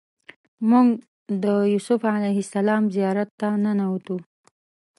موږ د یوسف علیه السلام زیارت ته ننوتو.